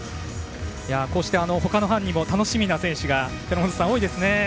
こうして、ほかの班にも楽しみな選手が多いですね。